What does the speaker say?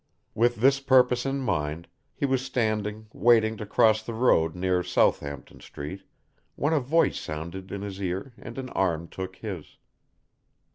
With this purpose in mind, he was standing waiting to cross the road near Southampton Street, when a voice sounded in his ear and an arm took his.